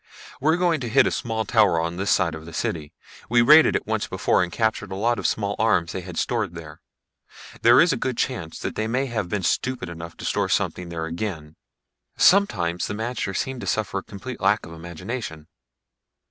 We're going to hit a small tower on this side of the city. We raided it once before and captured a lot of small arms they had stored there. There is a good chance that they may have been stupid enough to store something there again. Sometimes the magter seem to suffer from a complete lack of imagination."